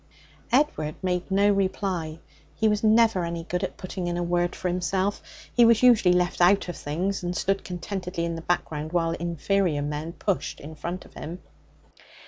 Edward made no reply. He was never any good at putting in a word for himself. He was usually left out of things, and stood contentedly in the background while inferior men pushed in front of him.